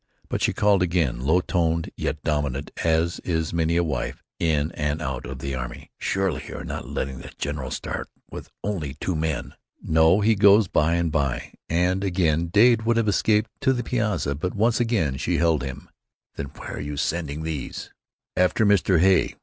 But she called again, low toned, yet dominant, as is many a wife in and out of the army. "Surely you are not letting the general start with only two men!" "No, he goes by and by." And again Dade would have escaped to the piazza, but once again she held him. "Then where are you sending these?" "After Mr. Hay.